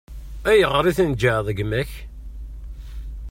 Ayɣer i tneǧǧɛeḍ gma-k?